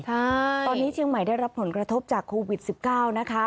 ตอนนี้เชียงใหม่ได้รับผลกระทบจากโควิดสิบเก้านะคะ